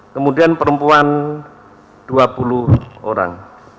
kemudian perempuan dua puluh orang